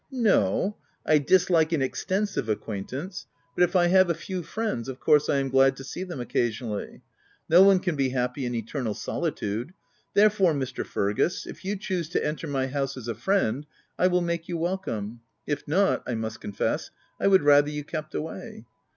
" No, I dislike an extensive acquaintance ; OF WILDFELL HALL. 119 but if I have a few friends, of course I am glad to see them occasionally. No one can be happy in eternal solitude. Therefore, Mr. Fergus, if you choose to enter my house as a friend, I will make you welcome ; if not, I must confess, I would rather you kept away."